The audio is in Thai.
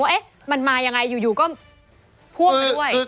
ว่ามันมาอย่างไรอยู่ก็พ่วงไปด้วย